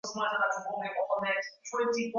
Wanawake ni watu wazuri.